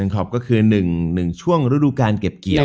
คอปก็คือ๑ช่วงฤดูการเก็บเกี่ยว